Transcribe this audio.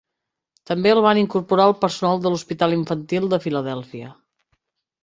També el van incorporar al personal de l'hospital infantil de Filadèlfia.